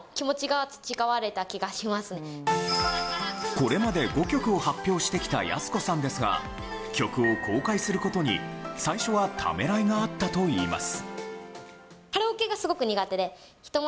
これまで５曲を発表してきたやす子さんですが曲を公開することに、最初はためらいがあったといいます。